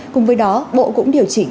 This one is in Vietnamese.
cùng với đó bộ cũng điều chỉnh